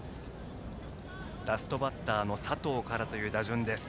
ラストバッターの佐藤からという打順です。